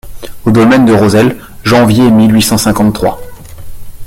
Au dolmen de Rozel, janvier mille huit cent cinquante-trois.